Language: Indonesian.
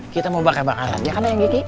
kita mau bakar bakaran ya kan yang gigi